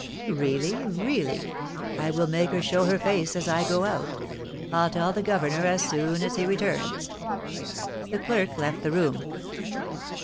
"Really, really, I will make her show her face as I go out. I'll tell the governor as soon as he returns." The clerk left the room.